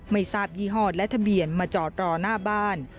ไม่ทราบยี่ห้อและทะเบียนมาจอดรอหน้าบ้าน